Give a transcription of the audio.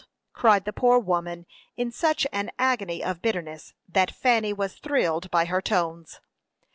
cried the poor woman, in such an agony of bitterness that Fanny was thrilled by her tones.